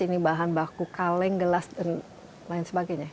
ini bahan baku kaleng gelas dan lain sebagainya